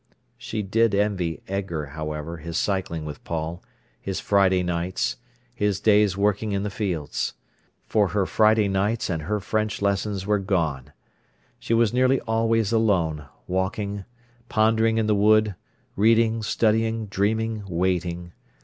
She did envy Edgar, however, his cycling with Paul, his Friday nights, his days working in the fields. For her Friday nights and her French lessons were gone. She was nearly always alone, walking, pondering in the wood, reading, studying, dreaming, waiting.